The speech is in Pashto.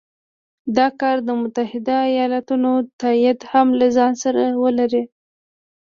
دا کار د متحدو ایالتونو تایید هم له ځانه سره ولري.